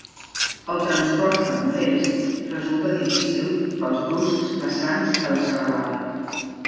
El transport amb l'est resulta difícil pels bruscs vessants de la serralada.